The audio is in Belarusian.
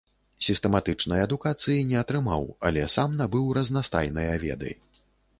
Сістэматычнай адукацыі не атрымаў, але сам набыў разнастайныя веды.